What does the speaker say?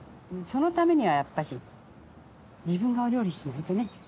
そのためにはやっぱし自分がお料理しないとね。